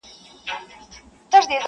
يو لوى دښت وو راټول سوي انسانان وه،